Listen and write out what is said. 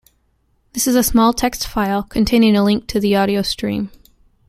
This is a small text file containing a link to the audio stream.